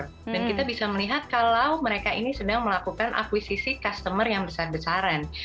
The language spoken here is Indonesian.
dan kita bisa melihat kalau mereka ini sedang melakukan akuisisi customer yang besar besaran